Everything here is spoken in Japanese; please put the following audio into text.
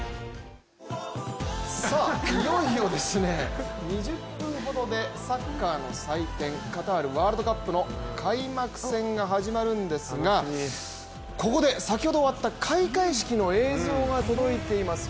さあいよいよ、あと２０分ほどでサッカーの祭典カタールワールドカップの開幕戦が始まるんですが、ここで先ほど終わった開会式の映像が届いています。